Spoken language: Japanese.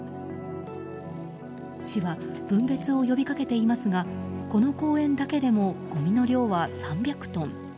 市は分別を呼びかけていますがこの公園だけでもごみの量は３００トン。